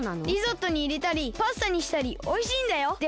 リゾットにいれたりパスタにしたりおいしいんだよ！